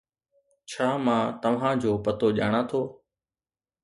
ڇا مان توھان جو پتو ڄاڻان ٿو؟